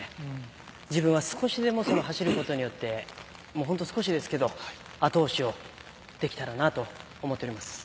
自分は少しでもその走ることによって少しですけれど、後押しできたらなと思っております。